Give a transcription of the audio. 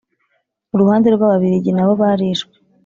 uruhande rw Ababirigi nabo barishwe